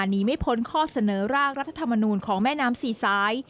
หนีไม่พ้นข้อเสนอร่างรัฐธรรมนูลของแม่น้ำสี่สาย